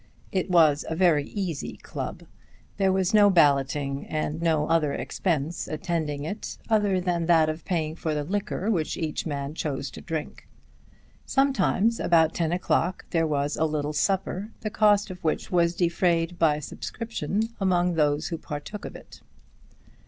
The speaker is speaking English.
It was a very easy club. There was no balloting, and no other expense attending it other than that of paying for the liquor which each man chose to drink. Sometimes, about ten o'clock, there was a little supper, the cost of which was defrayed by subscription among those who partook of it.